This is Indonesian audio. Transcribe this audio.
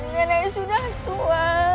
nenek sudah tua